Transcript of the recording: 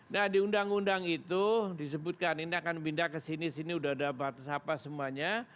nah di undang undang itu disebutkan ini akan pindah kesini sini sudah ada apa semuanya